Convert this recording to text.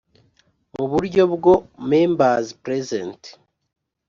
mu buryo bwo members present